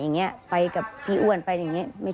เพื่อที่จะได้หายป่วยทันวันที่เขาชีจันทร์จังหวัดชนบุรี